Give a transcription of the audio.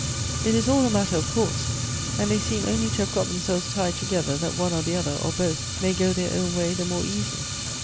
It is all a matter of course ; and they seem only to have got themselves tied together, that one or the other, or both, may go their own way the more easily."